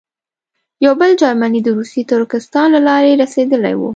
یو بل جرمنی د روسي ترکستان له لارې رسېدلی وو.